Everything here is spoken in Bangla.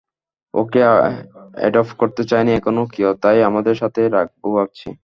ওকে অ্যাডপ্ট করতে চায়নি এখনও কেউ, তাই আমাদের সাথেই রাখবো ভাবছি।